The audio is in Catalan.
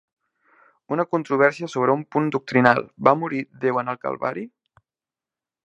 Una controvèrsia sobre un punt doctrinal, va morir Déu en el Calvari?